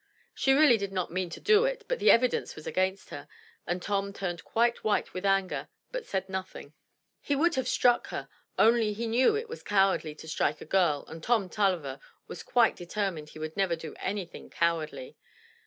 She really did not mean to do it, but the evidence was against her, and Tom turned white with anger but said nothing; he would have struck her, only he knew it was cowardly to strike a girl and Tom Tulliver was quite de termined he would never do anything cowardly.